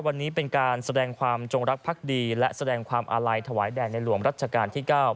วันนี้เป็นการแสดงความจงรักภักดีและแสดงความอาลัยถวายแด่ในหลวงรัชกาลที่๙